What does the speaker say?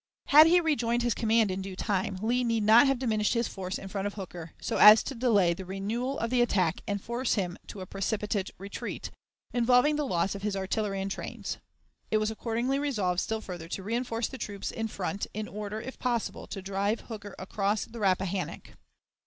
Had he rejoined his command in due time, Lee need not have diminished his force in front of Hooker, so as to delay the renewal of the attack and force him to a precipitate retreat, involving the loss of his artillery and trains. It was accordingly resolved still further to reënforce the troops in front, in order, if possible, to drive Hooker across the Rappahannock.